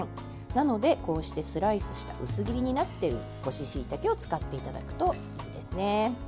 なので、こうしてスライスした薄切りになっている干ししいたけを使っていただくといいですね。